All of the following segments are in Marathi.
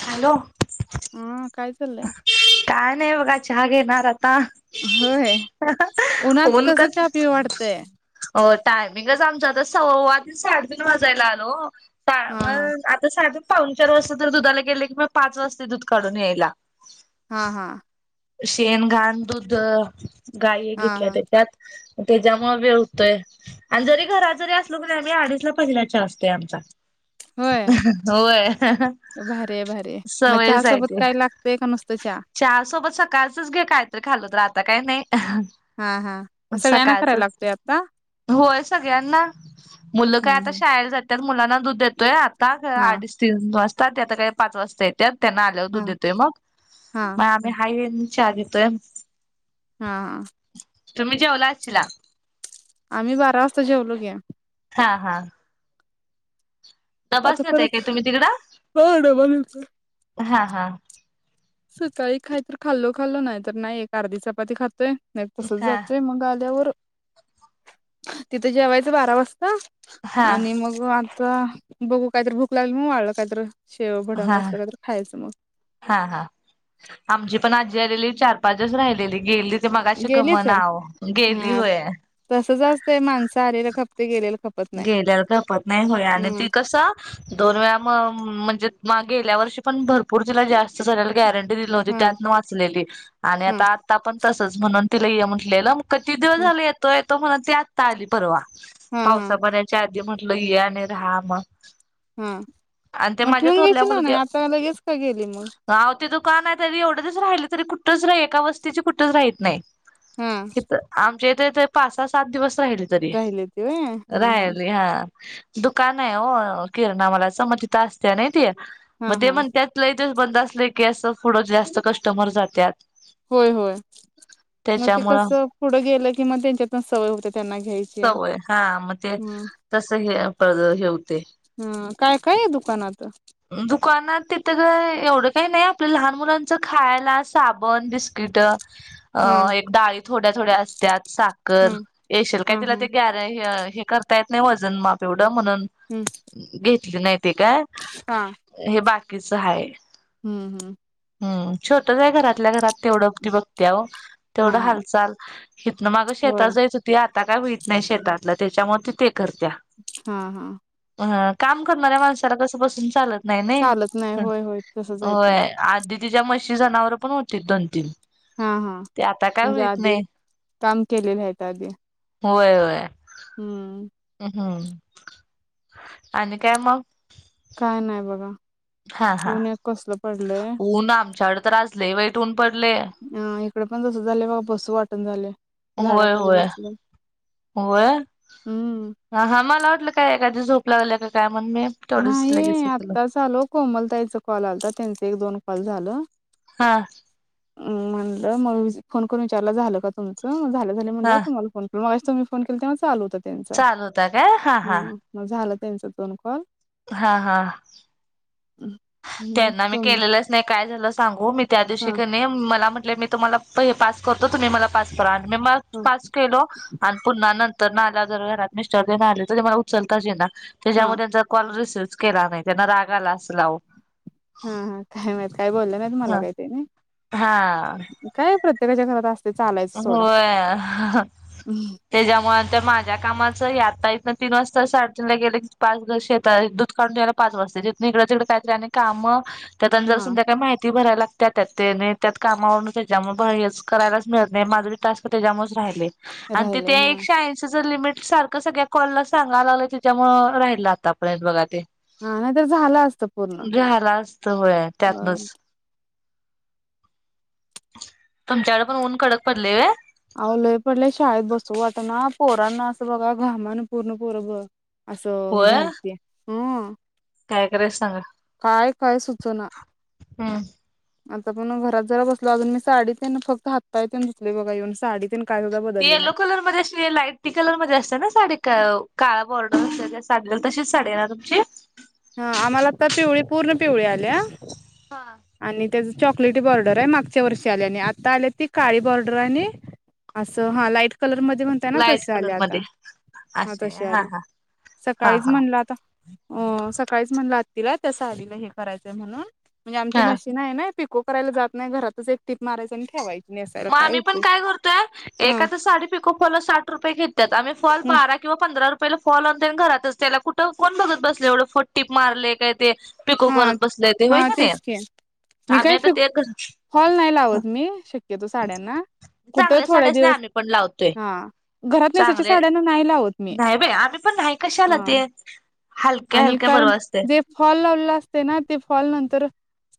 हॅलो हा काय चाललंय म वग चहागे नत आ होय उन्हात होन का कसं चहा पिऊ वाटतंय. हो टायमिंगच आमच आता सव्वा ते साडेतीन वाजायला आलो हा हा मग आता साध्या पाऊन चार वाजता तर दुधाला गेले की मग पाच वाजता दूध काढून यायला हा हा शेण घाण दूध गाय हा घेतल्या हा त्या त्यात े जमा भी यळतोय आणि जरी घराात जरी असलो करी आमही अडीचला पहिल्याच्या असते आमचा होय भरे भरे मग च सवयच आहे सोबत ते. काय लागतंय का नुसतं चहा सकाळचंच घे काहीतरी खाललं तर आता काही नाही हा हा सगळ्यांना करायला सकाळचच लागतोय आता? होच सगळ्यांना मुलं काय हम्म आता हम्म शाळेला जातात मुलांना दूध देतोयत हा अडीच तीन वाजताात त्याता काही पाच वाजता येतात त्यांना आल्या हा दूध देतोय मग हा मग आम्ही हाई वें चार देतोय हा हा तुम्ही जेवलाचला आम्ही बारा वाजता जेवलो की. हा हा आता तपासण्यात आहे परत काय तुम्ही तिकडं बघ डबा नंतर हा हा सकाळी खाय तर खाल्लो खाल्लो नाय तर नाय एक अर्धी चपाती खातोय. नाय तसच हा जातय मग आल्यावर तिथं जेवायचं बारा वाज हा [unintelligible] आणि मग मी आता बघू काहीतरी भूक लागल म्हणून वाढलं काहीतरी. शेव भडंग हा असल काहीतरी तरी खायचं मग. हा हा आमची पण आजी आलेली चार पाच दिवस राहिलेली गेली. ते मघाशी गेलीच गमना आवो ती गेली हा होय. तसच असतंय माणसं आलेलं खपते गेलेलं खपत नाही गेल्यावेळी खप नाय होई आणि हम्म ती कस दोन वेळा मग म्हणजे मा गेल्या वर्षी पण भरपूर [unintelligible] जास्त झालेल गॅरं [inaudible] त्यात हम्म न वाचलेली आणि हम्म आता आता पण तसच म्हणून तिला य म्हटलेल. [unintelligible] दिवस हम्म झाले येतो येतो म्हणत ती आता आली परवा. हम्म, हम्म. च्या आधी म्हटलं या आणि राहा मग हा आण ते मग माझ्या ठेवून थोरल्या घ्यायची ना नाही मुलग्या आता लगेच का गेली मग [inaudible] दुकान आहे तरी एवढंच राहिलं तरी कुठच राही एका वस्तीचे कुठच राहत नाही हा क आ? ! ! ! !???? जे ते ते पाच साहा सात दिवस तरी राहिले [inaudible] राहिले हा दुकान नाय ओ किरणा मालाच मग तिथं असते नाय ती हा मग ते हा म्हणतत दिस बंद असले की असंढ जास्त कस्टमर जातात????????? होय होय मग ते त्याच्यामुळं कस पुढं गेलं की मग त्यांच्यातन सवय होते त्यांना घ्यायची सवय हा मग ते तस हे [inaudible] हम काय काय हाय दुकानात दुकानात तिथं एवढं काही नाही आपलं लहान मुलांच खायला साबण बिस्किट-अ????????? हा अं एक डाळी थोड्या थोड्या असत्यात हा साखर येशेल काय हा तिला हा ते गॅर हे करता येत नाही वजन माप एवढं????? त म्हणून हम्म घेतली नाय पी-का हा हे बाकीच हाय हम्म हम्म हम छोटंस हाय घरातल्या घरात तेवढं ती बघते हो तेवढं हा हा हालचाल हथ ना माग होय शेतात जायच होती आ???????? आता काय होत नाही शेतातलं त्याच्यामध्ये ते करत्या हा हा अ? !?????? काम करणाऱ्या माणसाला कसं बसून चालत नाय नाय चालत नाही हम होय होय तसंच आहे ते होय आधी तिच्या म्हशी जनावर पण होती दोन तीन हा हा ते आता काय म्हणजे होईत आधी नाही काम केलेले आहेत आधी?? !? ! ! ! होय होय हम्म हम्म आणि काय मग हा उन एक कसलं पडलंय आमच्याकड त्रजले वेटऊन पडले??????? इिकडे पण जसं झालं बा बस वाटण झालं???????? होय होय होय हम्म हा हा मला वाटलं काय एखाद्या झोप लावल्या का काय. म्हणून मी तेवढंच नाही लगेच हे केलं आत्ताच आलो कोमलताईचा कॉल आलाता त्यांच एक दोन कॉल झाल. हा. म्हटलं मग फोन करून विचारल झालं का तुमचं मग झालं झालं म्हणलं हा तुम्हाला फोन. [unintelligible] [unintelligible] फोन केला तेव्हा चालू होत. चालू होता काय हा हा. त्यांचे दोन कॉल. हा, हा. [unintelligible] मग त्यांना मी तुम केलेलंच नाही काय झालं सांगू मी त्या दिवशी हा की नाही मला म्हण [unintelligible] मी तुम्हालला [unintelligible] पास करतो तुम्ही मला पास करा आणि मी म हा पास केलो आणि पुन्हा नंत तर आला जर घरात मिस्टर दे ना आले तर मला उचलताच ये ना हा त्याच्यामुळे त्यांचा कॉल रिसिव केला नाही त्यांना रागाला अस लाव हा हा काय मात काय बोललं नाहीत मला काही ते नाही हा काय प्रत्य तेग जग होय त्याच्यामुळे ते माझ्या कामाच या इथं तीन वाजता साडजला गेले पाच शेतात दूध काढून द्यायला पाच वाजता तथून इकडं तिककडे काहीत रा काम त्यात जर हा संध्याकाळी माहिती भरायला लागत त्या त्याने त्यात कामावरून त्याच्यामुळेच करायला माझ त राहि राहिले हा आणिशे लिमिट सारखं सगळ्या कॉलला सगाय लाग त्याच्यामुळे राहिलं आतापर्यंत बघा ते हा नाही तर झालं असतं पूर्ण. झाहाला असत होय त्यातनच तुमच्याकडे पण ऊन कडक पडले आहे अवलय पडले शाळेत बसू वाट ना पोरांना असं बघा घामान पूर्ण पोर ब असं ह होय झालतीय काय कररायच सांगा काय काय सुूचना हम्म. आता पण घरात जरा बसलो अजून मी साडी ते फक्त हाततााुचले बघा इवन साडी काय सुद्धा ते बदलली येलो नाही. कलरमध्येध्ये असते लाईटी कलरमध्येध्ये असते ना साडी का काळा बॉर्डर अस साडलेल तशीच साडे ना तुमची हा आम्हाला आता पिवळी पूर्ण पिवळी आल्या हा. आणि त्या चॉकलेटी बॉर्डर आहे मागच्या वर्षी आल्या आणि आता आल्या ती काळी बॉर्डर आणि असं हा लाईट कलरमध्ये म्हणताय ना लाईट तस आले कलर आता मध्ये हा असे तसे आल्या हा हा सकाळीच हा म्हणला आता अ सकाळीच म्हणला आतील तसं आलीलं हे करायचय म्हणून म्हणजे आमची हा. मशीन आहे ना पिको करायला जात नाही घरातच एक टीप माराचं आणि ठेवायची नेसायला मगमहीण होते काय करतोय हा एख साडी पिको फल साठ रुपये घेतेत आम्ही फल हम्म बारा किंवा पंधरा रुपये पहि फॉल ऑन घरातच त्याला कुठं कोण बघत बसले एवढं फट्टीप मारले काय ते पिको हा करत बसलंय ते होय हा का नाही तेच की मी आम्ही आता काही ते हॉल नाही लावत मी शक्यतो साड्यांना कुठे चांगल्या थोडा साड्याच नाही दिवस आम्ही पण लावतोय हा घरात चांगले सहसा नाही लाव नाही बाई आम्ही पण नाही कशा आला ते हलक्या आणि हलक्या कारण बरं असते. जे फॉल लावलं असते ना ते फल नंतर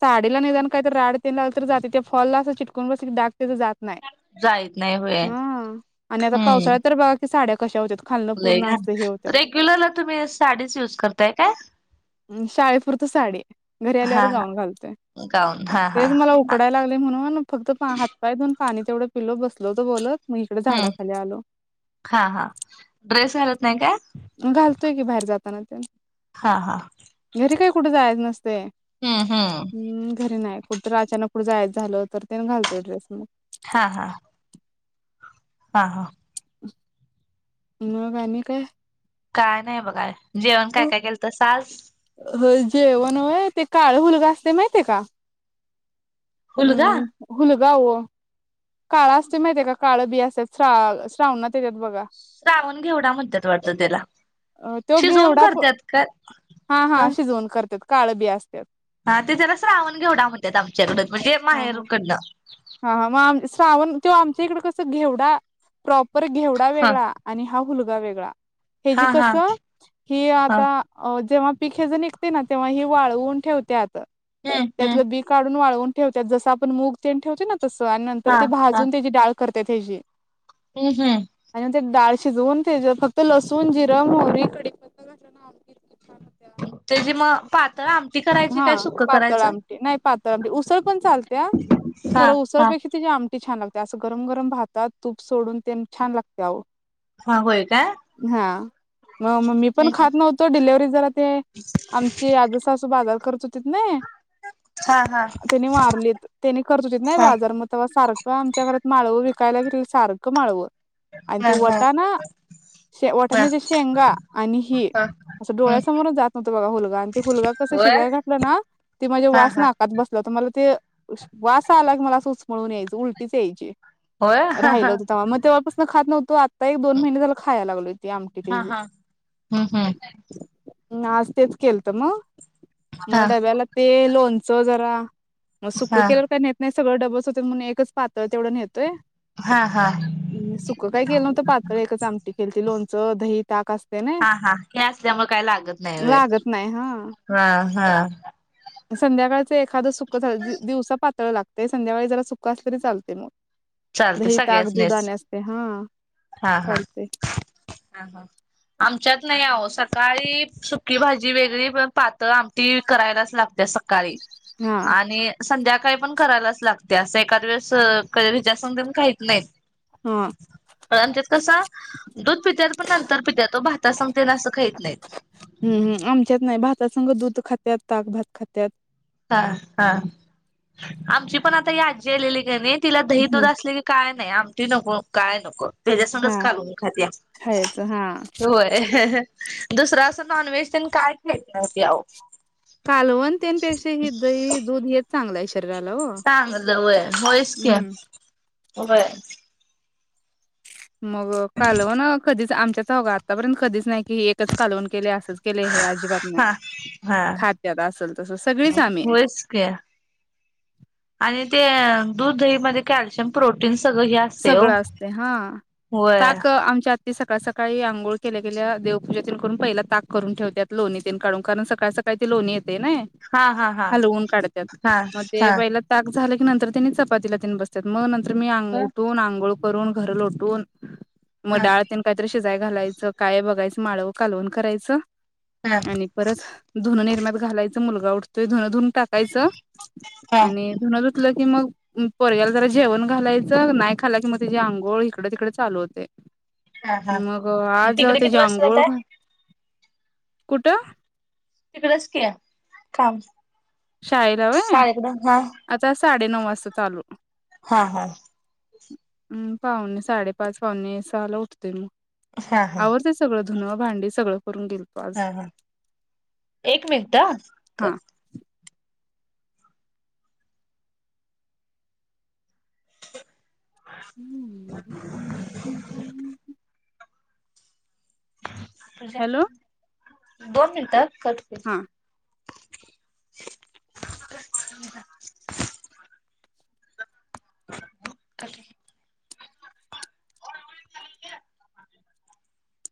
साडीला नाही जाण काही तर राडते लाग तर जाते त्या फॉलला असं चिटकून बसाग ते तर जात नाही जाईत नाही होय ह आणि आता हम्म पावसाळ्यात तर बघा कि साड्या कश्या होत रेग्युलरला तुम्ही साडीच युज करताय का म शाळेपुरत साडी घरी आल्यावर हा हा गाऊन घालतोय गाऊन हा हा तेच मला उकडाय लागले म्हणून फक्त हातपाय ऊन पाणी तेवढं पिलो बसल होतं बोलत मग इकडे हम्म झाडाखाली आलो. हा हा ड्रेस घालत नाही का घलतोय गी बाहेर जाताना ते हा हा घरी काही कुठे जायच नसते हम्म हम्म हम् घरी नाहीच कुठं तर अचानक कुठं जायच झालं तर ते न घलतो ड्रेस मग हा हा हा हा हंग कान का काय नाही बघा जेवण काय काय केलं तर साज ह जेवण आहे ते काळ मुलगा असते माहिित आहे का हुलगा हम्म हलगव काळा असते माहिितय काळं बी असतात श्रा श्रावण ना त्याच्यात बघा रावून घेवढा मद्दत वटत त्याला अ तो शिजवून घेवडा करतात का हा हा शिजवून करतात काळ बी असत हा ते त्याला श्रावण घेवढा म्हणत आमच्याकडून म्हणजे हा हा माहेरकडनं. हा हा मग आम श्रावण त आमच्या इकडे कसं घेवडा प्रॉपर घेवडा हा वेगळा आणि हा हुल्गा वेगळा याची हा हा कसं हा आता जेव्हा पीक हज निघते ना तेव्हा हे वाळवून ठेवतात आता हम्म हम्म त्यातलं बी काढून वाळवून ठेवतात जस आपण मूग तेन ठेवते ना तसं आणि नंतर हा ते हा भाजून त्याची डाळ करतेत हेजी. हम्म हम्म आणिंत डाळ शिजवून तेज फक्त लसूण जिर मोहरी कडी घातला ना. छान होत्या. त्याची मग पातळ आमची हा पातळ आमटी नाही पातळ तर आमटी उसळ पण चालत्या हा खरं हा उसळपेक्षा तिची आमटी छान लागते. त्यास गरम गरम भातात तूप सोडून ते छान लागते आओ. हा होय का? मग मग मी पण खात नव्हतो डिलेवर्ही जरा ते आमची अजे सासू बाजार करत होती. हा हा [unintelligible] त्यानी वारलीत त्यानी करत होतीत नाय हा बाजार म तवा सारखं आमच्या घरात माळव विक, कायला घेतल की सारखं माळव आणि हा ती हा वाटाणा शे हा वटाण्याच्या शेंगा आणि हि हा असं डोळ्यासमोर जात नव्हतं बघा हुल्गा आणि ते हुल्गा होय शिजय घातलं ना ती माझ्या हा वास हा नाकात मला ते वास आला की मला सचमळून यायची उलटीच यायची, होय हा हा राहिलं होतं. तेव्हा मग तेव्हापासून खात नव्हतो आता एक दोन महिने झालं खायला लागलो. ती आमटी हा त्याची. हा हम्म हम्म आज तेच केलत मग मग हा डब्याला ते लोणचं जरा. मग सुकं हा केलं काही नेत नाही सगळं डबल्स होत म्हणून एकच पातळ तेवढं नेहतोई. हा हा हम सुक काय केलं नव्हतं पातळ एकच आमटी खेलती लोणचं दही ताक असतई ना. ल्यामुळे काही लागत नाही वय. लागत नाही हा हा संध्याकाळचं एखादं सुख झा दिवसा पातळ लागतेय संध्याकाळी जरा सुख असलं तरी लते मग. चालते नही ताक दूध सगळ्यासनीच आणि असते हा हा हा चालतंय. हा हा आम आमच्यात नाही आहो सकाळी सुकी भाजी वेगळी पण पातळ आमट करायलाच लागत सकाळी हां आणि संध्याकाळी पण करायलाच लागतीय असं एकाद वेळेस कधी त्या संग खहीत नाहीत. हा कारण त्यात कसा दूध पित्यात पण नंतर पित्या तो भाता सांग ना असं खात नाहीत. हम् हम आमच्यात नाही भाता खात ताकभात खातात. हा हा आमची पण आता आजी आलेली का नाय. तिला दही दुध हम्म असले की काय नाही आमटी नको काय नको. त्याच्या संघाचं हां. कळवून खातिया खायचं हां दुसरं असं नॉनव्हेज काय खात नाही ती अहो. कालवणतेनपेक्षा ह द दूध येत चांगला हाय. चांगलं वय होयच हम्म. क वय. मग कालवण कधीच आमच्याचा हों आतापर्यंत कधीच नाही की एकच कालवन केले अस. त केले हे अजिबात नाही हा हा खात्यात असल तस सगळीच आम्ही. होयच [inaudible] आणि ते दूध दही मध्ये कॅल्शियम, प्रोटीन् सगळं असते. हा होय त्याक आमच्या तेी सकाळ सकाळी अंघोळ केल्या गेल्या देवपूजे करून पहिला ताक करून ठेवतात लोणीत काढून कारण सकाळ सकाळ लोणी येताय ना हा हा हा हलवून काढतात हा मग ते हा हा ताक झालं की नंतर त्यांनी चपातीला तीन बसतात मग नंतर मी उठून आंघोळ करून घर लोटून. म हा डाळतेन काहीतरी शिजाय घालायचं काय बघायचं माळव कालवन करायचं. हा आणि परत धुनं निर्म्यात घालायचं मुलगा उठतोय धुनं धुन टाकायचं. आणि धून धुतलं की मग परग्याला जरा जेवण घालायचं. नाही खाला कि मग तची आंघोळ इकडं तिकड चालू होतेय. हा हा मग आज तिकडे किती त्याच्या वाजता अंघोळ जाताय कुठं? तिकडच कि काम. शाळेला होय शाळेकडं हा आता साडेनऊ वाजता चालू. हा हा. हम् पाहुणे साडेपाच पाहूणे सहाला उठतोय मग हा हा आवडतंय सगळं. धुन, भांडी सगळं. करून आज हा हा एक मिनिट हा कर हा. हम्म हम् हम् हम् तुझ्या हॅलो दोन मिनिट कट होतोय. हा [unintelligible] [unintelligible] [unintelligible] [unintelligible]